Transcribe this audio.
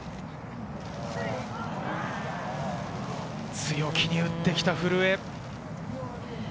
強気に打ってきた古江。